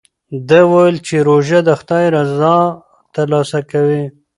ده وویل چې روژه د خدای رضا ترلاسه کوي.